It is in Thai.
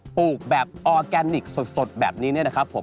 ปลูกแบบออร์แกนิคสดแบบนี้เนี่ยนะครับผม